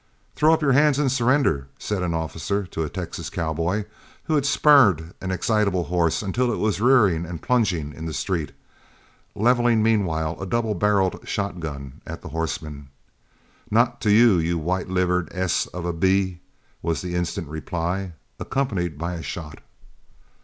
"Throw up your hands and surrender," said an officer to a Texas cowboy, who had spurred an excitable horse until it was rearing and plunging in the street, leveling meanwhile a double barreled shotgun at the horseman. "Not to you, you white livered s of a b ," was the instant reply, accompanied by a shot.